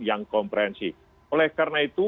yang komprehensif oleh karena itu